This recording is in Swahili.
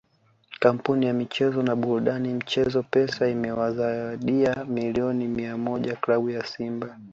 Kampuni ya michezo na burudani mchezo Pesa imewazawadia milioni mia moja klabu ya Simba